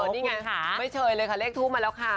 นี่ไงไม่เชยเลยค่ะเลขทูปมาแล้วค่ะ